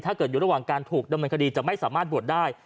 ถ้าเกิดอยู่ระหว่างการถูกดำเนินคดีจะไม่สามารถบวชได้